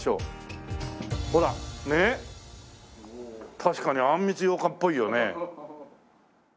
確かにあんみつ羊かんっぽいよね。